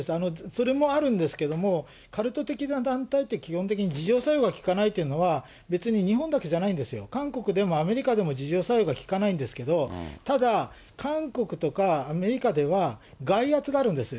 それもあるんですけども、カルト的な団体って、基本的に自浄作用が効かないというのは、別に日本だけじゃないんですよ、韓国でも、アメリカでも自浄作用が効かないんですけれども、ただ、韓国とかアメリカでは、外圧があるんです。